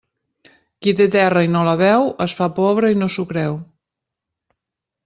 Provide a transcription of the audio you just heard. Qui té terra i no la veu, es fa pobre i no s'ho creu.